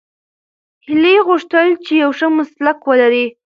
هیلې غوښتل چې یو ښه مسلک ولري.